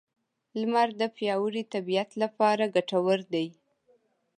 لمر د پیاوړې طبیعت لپاره ګټور دی.